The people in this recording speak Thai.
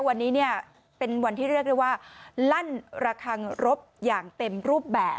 วันนี้เนี่ยเป็นวันที่เรียกได้ว่าลั่นระคังรบอย่างเต็มรูปแบบ